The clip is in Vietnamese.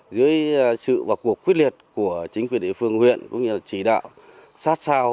dưới sự và cuộc quyết liệt của chính quyền địa phương huyện cũng như là chỉ đạo sát sao